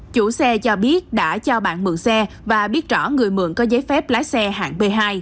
chủ xe cho biết đã cho bạn mượn xe và biết rõ người mượn có giấy phép lái xe hạng b hai